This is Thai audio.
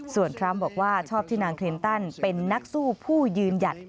ส่วนทรัมป์บอกว่าชอบที่นางคลินตันเป็นนักสู้ผู้ยืนหยัด